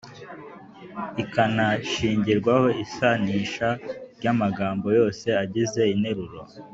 ikanashingirwaho isanisha ry’amagambo yose agize interuro